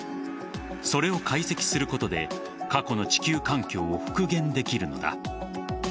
それを解析することで過去の地球環境を復元できるのだ。